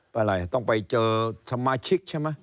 อะไรต้องไปเจอสมาชิกใช่ไหม